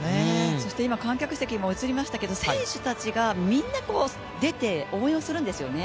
そして今、観客席も映りましたけど選手たちがみんな出て応援をするんですよね。